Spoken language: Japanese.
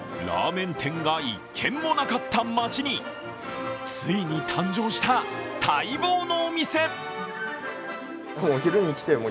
ラーメン店が一軒もなかったまちについに誕生した待望のお店。